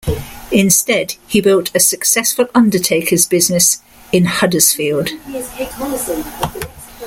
Instead he built a successful undertaker's business in Huddersfield.